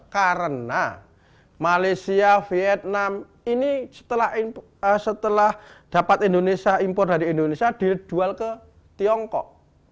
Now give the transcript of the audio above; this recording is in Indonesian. karena malaysia vietnam ini setelah dapat impor dari indonesia didual ke tiongkok